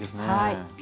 はい。